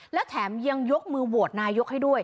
และแถมยังยกมือโหวตนายกให้ด้วย